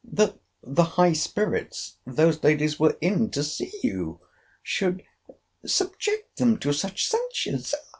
—That the high spirits those ladies were in to see you, should subject them to such censures!